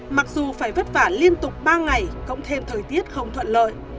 mặc dù phải vất vả liên tục ba ngày cộng thêm thời tiết không thuận lợi